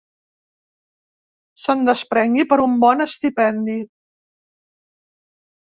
Se'n desprengui per un bon estipendi.